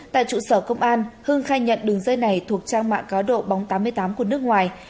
tại trụ sở công an hưng khai nhận đường dây này thuộc trang mạng cá độ bóng tám mươi tám của nước ngoài